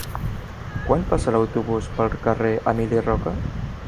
Quan passa l'autobús pel carrer Emili Roca?